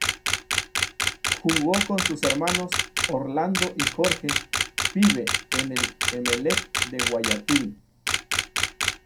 Jugó con sus hermanos Orlando y Jorge "Pibe" en el Emelec de Guayaquil.